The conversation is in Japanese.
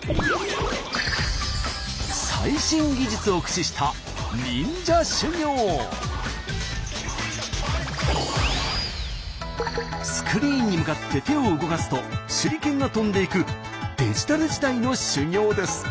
そしてスクリーンに向かって手を動かすと手裏剣が飛んでいくデジタル時代の修行です。